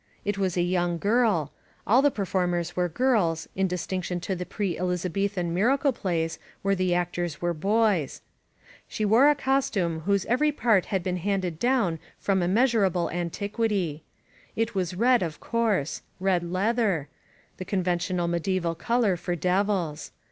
It was a young girl — all the performers are girls, in distinction to the pre Elizabethan miracle plays, where the actors were boys. She wore a costume whose every part had been handed down from immeas S16 INSURGENT MEXICO urable antiquity. It was red, of course — red leather — the conventional medieval color for devils.